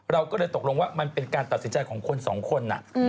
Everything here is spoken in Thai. เราก็เลยตกลงว่ามันเป็นการตัดสินใจของคนสองคน